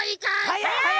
はやい！